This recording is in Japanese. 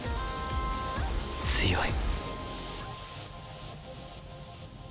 強い。